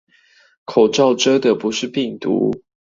口罩遮的不是病毒